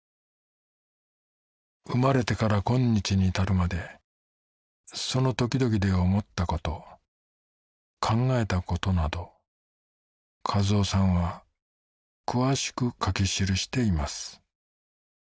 生まれてから今日に至るまでその時々で思ったこと考えたことなど一男さんは詳しく書き記しています